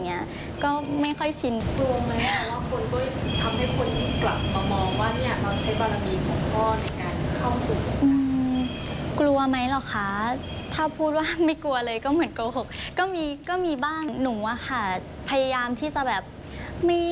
อะไรเนี้ยก็ไม่ค่อยชี้